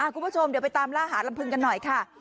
คุณผู้ชมเดี๋ยวไปตามล่าหาลำพึงกันหน่อยค่ะ